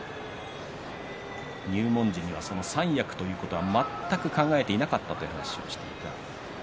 入門時には三役ということは全く考えていなかったという話をしていました